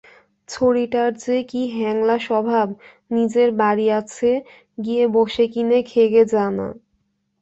ছড়িটার যে কী হ্যাংলা স্বভাব-নিজের বাড়ি আছে, গিয়ে বসে কিনে খেগে যা না?